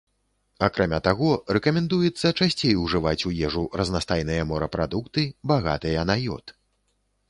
Акрамя таго, рэкамендуецца часцей ужываць у ежу разнастайныя морапрадукты, багатыя на ёд.